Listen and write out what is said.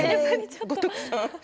五徳さん。